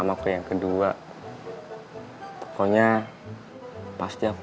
makasih ya bu